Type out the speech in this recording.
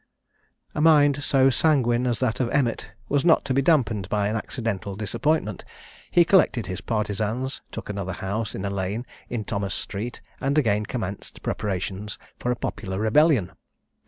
A mind so sanguine as that of Emmet was not to be damped by an accidental disappointment: he collected his partisans, took another house in a lane in Thomas street, and again commenced preparations for a popular rebellion.